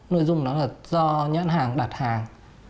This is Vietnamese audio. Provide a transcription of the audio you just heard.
nội dung nó là do nhãn hàng đặt hàng